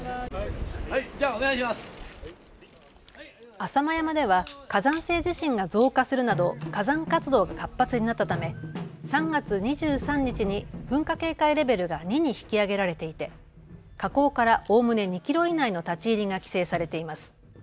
浅間山では火山性地震が増加するなど火山活動が活発になったため、３月２３日に噴火警戒レベルが２に引き上げられていて、火口からおおむね２キロ以内の立ち入りが規制されています。